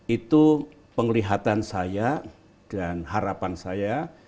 itu penglihatan saya dan harapan saya